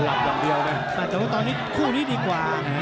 แต่ว่าตอนนี้คู่นี้ดีกว่า